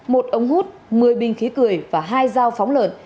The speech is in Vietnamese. một ống hút một mươi bình khí cười và hai dao phóng lợn